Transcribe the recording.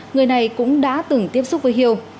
người này cũng đã từng tiếp xúc với hiêu